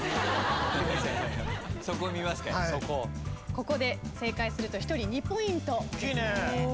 ここで正解すると１人２ポイントですので。